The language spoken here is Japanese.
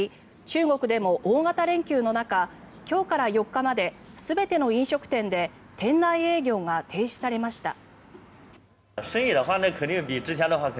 中国でも大型連休の中今日から４日まで全ての飲食店で店内営業が停止されました。